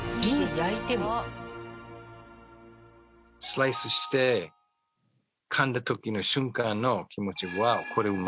スライスして噛んだ時の瞬間の気持ち。